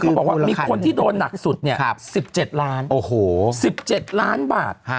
เขาก็บอกว่ามีคนที่โดนนักสุด๒๐๑๗ล้านโอ้โห๑๗ล้านบาท